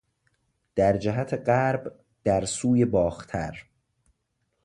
در جهت غرب، در سوی باختر